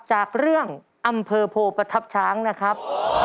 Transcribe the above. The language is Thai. จากเรื่องอำเภอโพประทับช้างนะครับ